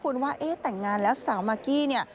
คุณว่าเอ๊ะแต่งงานแล้วสาวมากกี้เนี่ย